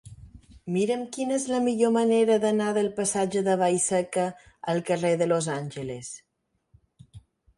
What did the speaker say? Mira'm quina és la millor manera d'anar del passatge de Vallseca al carrer de Los Angeles.